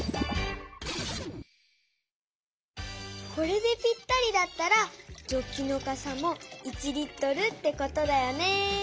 これでぴったりだったらジョッキのかさも１Ｌってことだよね。